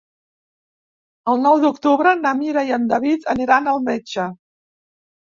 El nou d'octubre na Mira i en David aniré al metge.